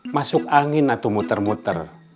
masuk angin atau muter muter